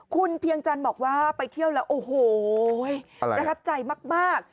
คุณเพียงจันทร์บอกว่าไปเที่ยวแล้วโอ้โหประทับใจมาก